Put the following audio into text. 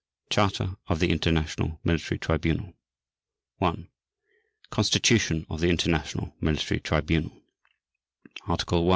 CHARTER OF THE INTERNATIONAL MILITARY TRIBUNAL I. CONSTITUTION OF THE INTERNATIONAL MILITARY TRIBUNAL _Article 1.